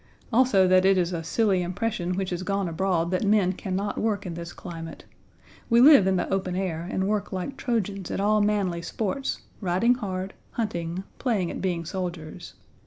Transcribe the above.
Also that it is a silly impression which has gone abroad that men can not work in this climate. We live in the open air, and work like Trojans at all manly sports, riding hard, hunting, playing at being soldiers.